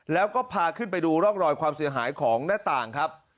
แล้วก็พาขึ้นไปดูร่องรอยความเสียหายของหน้าต่างครับ